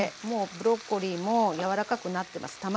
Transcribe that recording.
もうブロッコリーも柔らかくなってます。